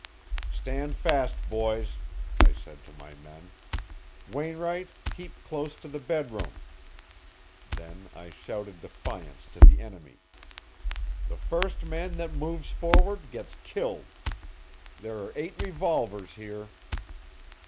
"Stand fast, boys," I said to my men. "Wainwright, keep close to the bedroom." Then I shouted defiance to the enemy. "The first man that moves forward gets killed! There are eight revolvers here."